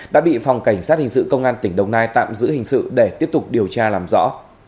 đã bị phòng cảnh sát hình sự công an tỉnh đồng nai tạm giữ hình sự để tiếp tục điều tra làm rõ